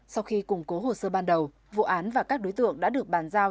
sau khi củng cố hồ sơ ban đầu vụ án và các đối tượng đã được bàn giao